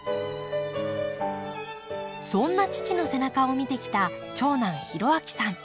そんな父の背中を見てきた長男浩章さん。